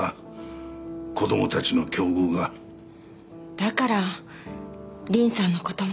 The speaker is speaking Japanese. だから凛さんの事も。